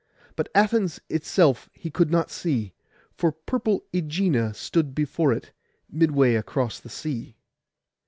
But Athens itself he could not see, for purple Ægina stood before it, midway across the sea.